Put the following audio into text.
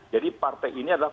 jadi partai ini adalah